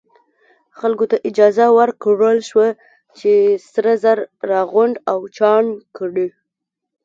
خلکو ته اجازه ورکړل شوه چې سره زر راغونډ او چاڼ کړي.